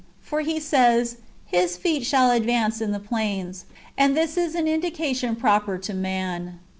For he says, ' His feet shall advance in the plains :" and this is an indication proper to man.